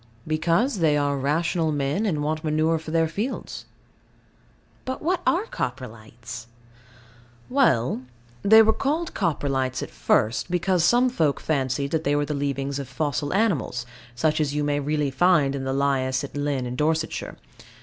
Because they are rational men, and want manure for their fields. But what are Coprolites? Well, they were called Coprolites at first because some folk fancied they were the leavings of fossil animals, such as you may really find in the lias at Lynn in Dorsetshire.